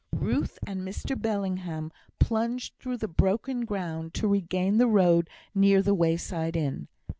Ruth and Mr Bellingham plunged through the broken ground to regain the road near the wayside inn.